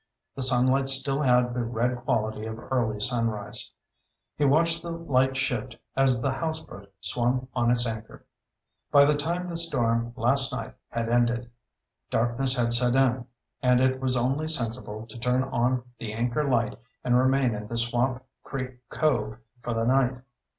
The sunlight still had the red quality of early sunrise. He watched the light shift as the houseboat swung on its anchor. By the time the storm last night had ended, darkness had set in, and it was only sensible to turn on the anchor light and remain in the Swamp Creek cove for the night.